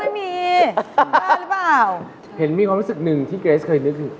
เห็นมีความความรู้สึคหนึ่งที่เกรซเคยนึก